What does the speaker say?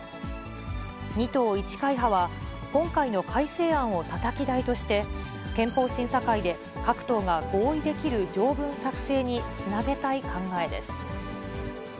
２党１会派は、今回の改正案をたたき台として、憲法審査会で各党が合意できる条文作成につなげたい考えです。